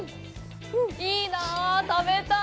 いいなぁ、食べたい！